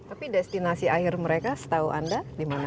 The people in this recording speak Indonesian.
tapi destinasi air mereka setahu anda dimana